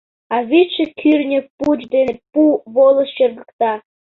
А вӱдшӧ кӱртньӧ пуч дене пу волыш чыргыкта.